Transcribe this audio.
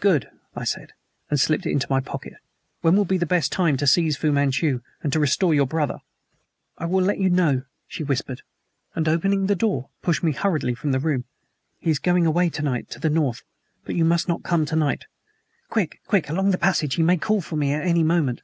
"Good!" I said, and slipped it into my pocket. "When will be the best time to seize Fu Manchu and to restore your brother?" "I will let you know," she whispered, and, opening the door, pushed me hurriedly from the room. "He is going away to night to the north; but you must not come to night. Quick! Quick! Along the passage. He may call me at any moment."